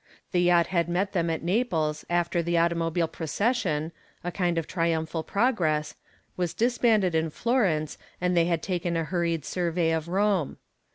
The yacht had met them at Naples after the automobile procession, a kind of triumphal progress, was disbanded in Florence, and they had taken a hurried survey of Rome.